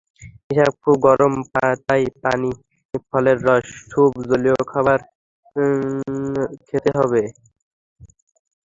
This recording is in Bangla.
এখন খুব গরম, তাই পানি, ফলের রস, সুপ, জলীয় খাবার খেতে হবে।